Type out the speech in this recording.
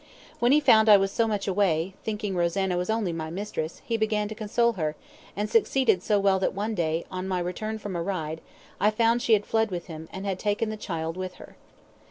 When he found I was so much away, thinking Rosanna was only my mistress, he began to console her, and succeeded so well that one day, on my return from a ride, I found she had fled with him, and had taken the child with her.